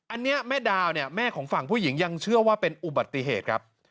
อันนี้แม่ดาวเนี่ยแม่ของฝั่งผู้หญิงยังเชื่อว่าเป็นอุบัติเหตุครับ